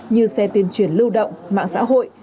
như xe tuyên truyền lưu động mạng xã hội